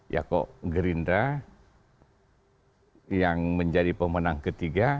ya kok gerindra yang menjadi pemenang ketiga